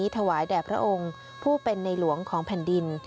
ชาวสยามทุกคนร่มเย็น